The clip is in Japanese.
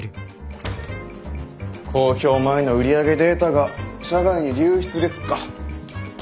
公表前の売り上げデータが社外に流出ですか。